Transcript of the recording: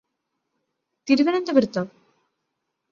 തിരുവനന്തപുരത്തോ